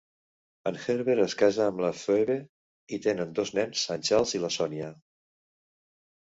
En Herbert es casa amb la Phoebe i tenen dos nens, en Charles i la Sonia.